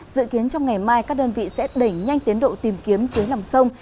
dự kiến trong ngày mai các đơn vị sẽ đẩy nhanh tiến độ tìm kiếm dưới lòng sông